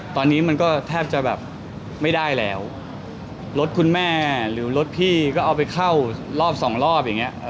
ตอนนี้มันก็แทบจะแบบไม่ได้แล้วรถคุณแม่หรือรถพี่ก็เอาไปเข้ารอบสองรอบอย่างเงี้ย